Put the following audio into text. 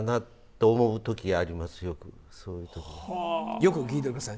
よく聞いてください。